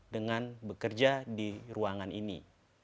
dengan bekerja di ruangan ini